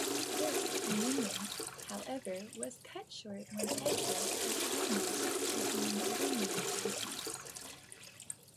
This reunion, however, was cut short when Edgeworth was diagnosed with motor neurone disease.